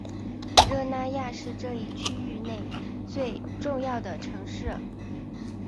热那亚是这一区域内最重要的城市。